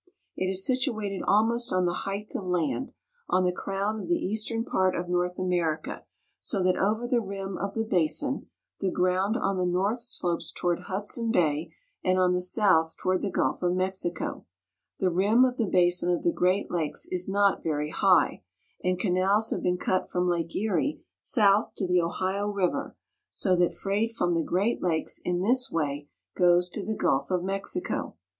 It is situated almost on the Height of Land, on the crown of the eastern part of North America, so that over the rim of the basin the ground on the north slopes toward Hudson Bay, and on the south toward the Gulf of Mexico, The rim of the basin of the Great Lakes is not very high, and canals have been cut from Lake Erie south to the Ohio River, so that freight from the Great Lakes in this way goes to the Gulf of Mexico.